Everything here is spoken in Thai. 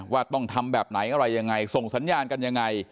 ว่าต้องทำแบบไหนอะไรยังไงส่งสัญญาณกันยังไง